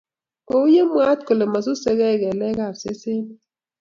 Kouye mwaat kole masusekei kelekab sesenik